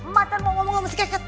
macan mau ngomong sama si keket